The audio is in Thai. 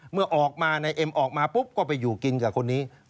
เมื่อออกมานายเอ็มออกมาปุ๊บก็ไปอยู่กินกับคนนี้